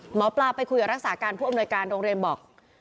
หมอปลาไปคุยกับรักษาการผู้อำนวยการโรงเรียนบอก